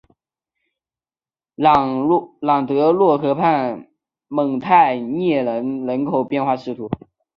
朗德洛河畔蒙泰涅人口变化图示